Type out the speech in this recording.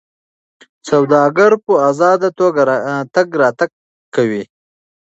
سوداګر په ازاده توګه تګ راتګ کوي.